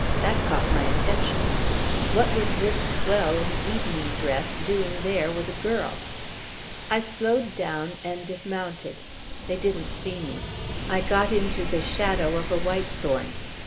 That caught my attention. What was this swell in evening dress doing there with a girl? I slowed down and dismounted. They didn't see me. I got into the shadow of a whitethorn.